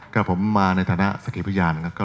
ครับผมมาในฐานะศักยภิกษ์ยานนะครับ